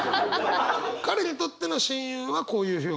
彼にとっての親友はこういう表現。